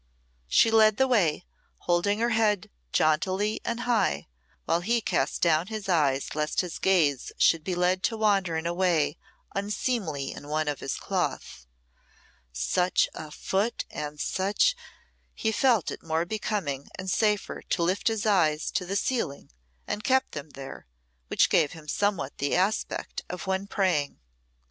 She led the way, holding her head jauntily and high, while he cast down his eyes lest his gaze should be led to wander in a way unseemly in one of his cloth. Such a foot and such ! He felt it more becoming and safer to lift his eyes to the ceiling and keep them there, which gave him somewhat the aspect of one praying.